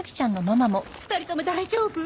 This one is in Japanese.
２人とも大丈夫？